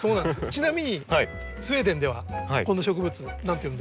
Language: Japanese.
ちなみにスウェーデンではこの植物何て呼んでるんですか？